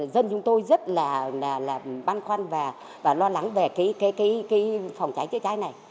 dân chúng tôi rất là băn khoăn và lo lắng về phòng cháy chữa cháy này